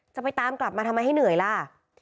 จะไปตามกลับมาทำไมให้เหนื่อยล่ะ